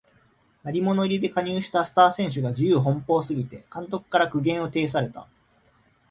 鳴り物入りで加入したスター選手が自由奔放すぎて監督から苦言を呈された